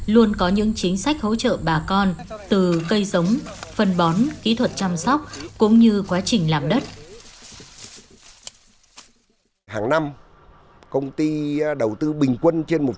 luôn có những chính sách hỗ trợ bà con từ cây giống phần bón kỹ thuật chăm sóc